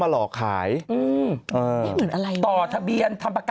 หลายปี